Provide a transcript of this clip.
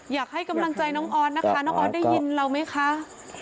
อยากให้กำลังใจน้องออสนะคะน้องออสได้ยินเราไหมคะ